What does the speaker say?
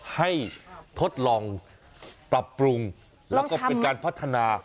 ทดลองปรับปรุงแล้วก็เป็นการพัฒนา